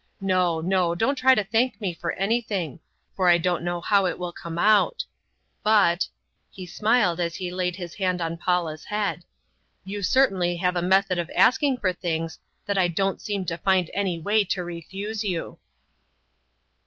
No! No! Don't try to thank me for anything, for I don't know how it will come out. But," he smiled as he laid his hand on Paula's head, "you certainly have a method of asking for things that I don't seem to find any way to refuse you."